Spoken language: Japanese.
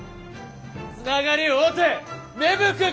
つながり合うて芽吹く草じゃ！